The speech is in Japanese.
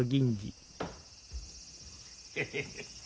ヘヘヘ。